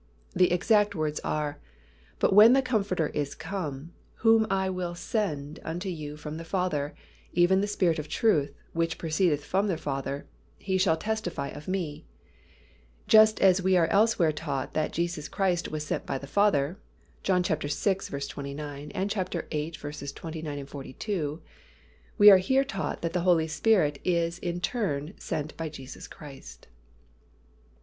The exact words are, "But when the Comforter is come, whom I will send unto you from the Father, even the Spirit of truth, which proceedeth from the Father, He shall testify of Me." Just as we are elsewhere taught that Jesus Christ was sent by the Father (John vi. 29; viii. 29, 42), we are here taught that the Holy Spirit in turn is sent by Jesus Christ.